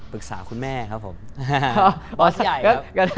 ปรึกษาคุณแม่ครับผมบอสใหญ่ครับ